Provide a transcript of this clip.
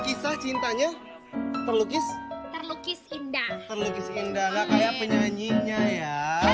kisah cintanya terlukis terlukis indah terlukis indah kayak penyanyinya ya